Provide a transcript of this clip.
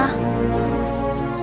jangan lupa jok